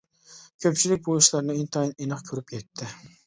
كۆپچىلىك بۇ ئىشلارنى ئىنتايىن ئېنىق كۆرۈپ يەتتى.